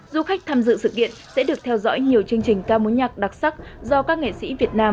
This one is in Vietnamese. du khách tham dự sự kiện sẽ được theo dõi nhiều chương trình ca mối nhạc đặc sắc do các nghệ sĩ việt nam